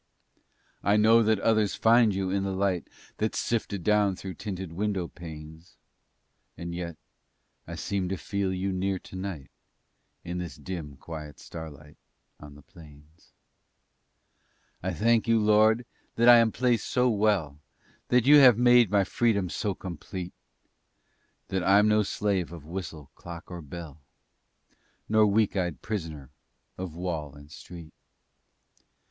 I know that others find You in the light That's sifted down through tinted window panes, And yet I seem to feel You near tonight In this dim, quiet starlight on the plains. I thank You, Lord, that I am placed so well, That You have made my freedom so complete; That I'm no slave of whistle, clock or bell, Nor weak eyed prisoner of wall and street.